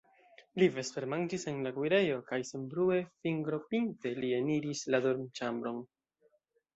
Li vespermanĝis en la kuirejo kaj senbrue, fingropinte li eniris la dormĉambron.